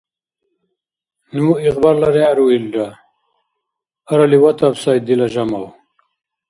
Ну игъбарла регӀ руилра. Арали ватаб сай, дила Жамав...